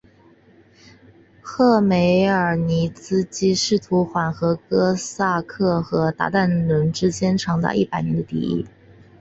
赫梅尔尼茨基试图缓和哥萨克与鞑靼人之间长达一百年的敌意。